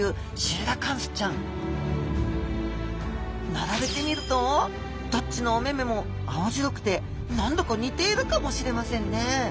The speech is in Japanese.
並べてみるとどっちのお目目も青白くて何だか似ているかもしれませんね